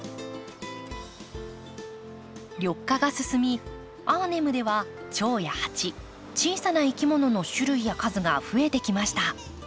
緑化が進みアーネムではチョウやハチ小さないきものの種類や数が増えてきました。